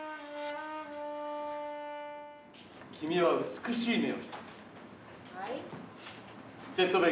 君は美しい目をしている。